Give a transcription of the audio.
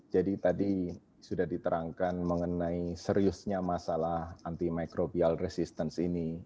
jadi tadi sudah diterangkan mengenai seriusnya masalah antimikrobial resistance ini